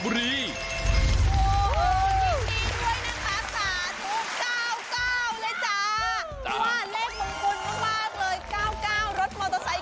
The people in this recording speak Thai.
พรุ่งนี้๕สิงหาคมจะเป็นของใคร